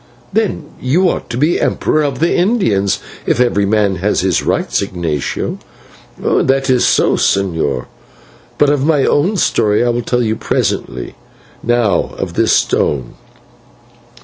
"Then you ought to be Emperor of the Indians if every man had his rights, Ignatio." "That is so, señor, but of my own story I will tell you presently. Now of this stone.